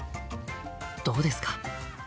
どうですか？